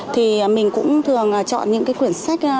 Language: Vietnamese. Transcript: thì mình cũng thường chọn những cuốn sách